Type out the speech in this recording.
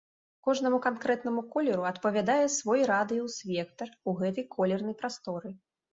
Кожнаму канкрэтнаму колеру адпавядае свой радыус-вектар у гэтай колернай прасторы.